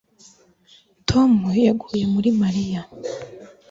Tom yaguye muri Mariya